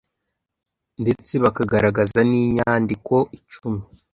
ndetse bakagaragaza n'inyandiko icumi